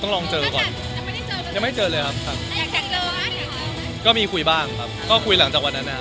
ต้องลองเจอก่อนยังไม่เจอเลยครับครับก็มีคุยบ้างครับก็คุยหลังจากวันนั้นนะครับ